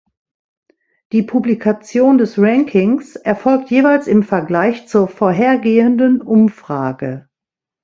Die Publikation des Rankings erfolgt jeweils im Vergleich zur vorhergehenden Umfrage.